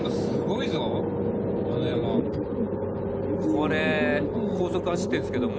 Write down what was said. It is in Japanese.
「これ高速走ってるんですけども」